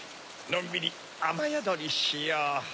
のんびりあまやどりしよう。